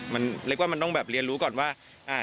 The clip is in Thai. มันเรียกว่ามันต้องแบบเรียนรู้ก่อนว่า